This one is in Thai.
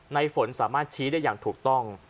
ฝนสามารถชี้ได้อย่างถูกต้อง